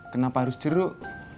kenapa harus jeruk